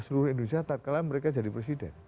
seluruh indonesia tak kalah mereka jadi presiden